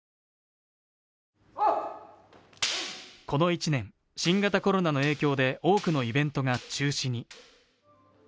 この１年、新型コロナの影響で多くのイベントが中止に。